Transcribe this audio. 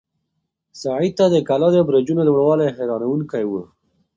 سعید ته د کلا د برجونو لوړوالی حیرانونکی و.